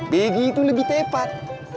begi itu lebih tepat